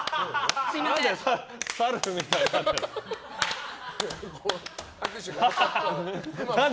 何でサルみたいになってるの。